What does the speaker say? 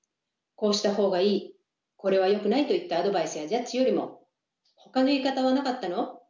こうした方がいいこれはよくないといったアドバイスやジャッジよりもほかの言い方はなかったの？